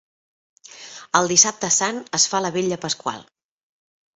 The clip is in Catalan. El Dissabte Sant es fa la Vetlla Pasqual.